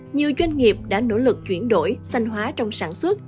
nhiều doanh nghiệp đã nỗ lực chuyển đổi xanh hóa trong sản xuất